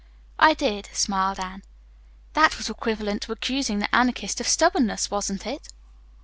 "I did," smiled Anne. "That was equivalent to accusing the Anarchist of stubbornness, wasn't it?"